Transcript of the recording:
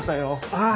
ああ。